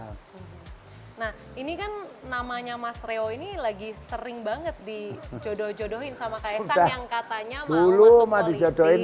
nah ini kan namanya mas reo ini lagi sering banget dijodoh jodohin sama kaisang yang katanya mau masuk politik